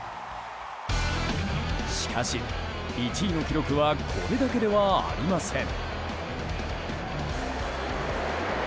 しかし、１位の記録はこれだけではありません。